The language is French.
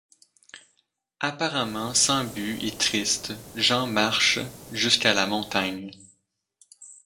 Apparemment sans but et triste, Jean marche jusqu'à la montagne.